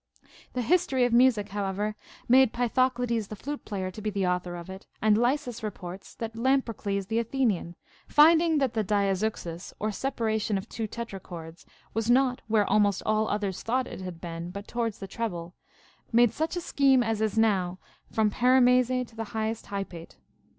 The history of music, how ever, made Pythoclides the flute player to be the author of it; and Lysis reports that Lamprocles the Athenian, finding that the diazeuxis (or separation of two tetrachords) was not where almost all others thought it had been, but toward the treble, made such a scheme as is now from paramese to the highest hypate.